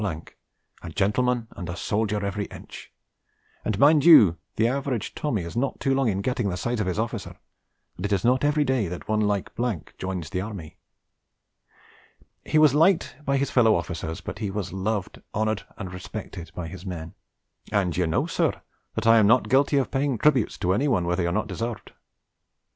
, a gentleman and a soldier every inch, and mind you the average Tommy is not too long in getting the size of his officer, and it is not every day that one like joins the Army.... He was liked by his fellow officers, but he was loved, honoured and respected by his men, and you know, Sir, that I am not guilty of paying tributes to anyone where they are not deserved....'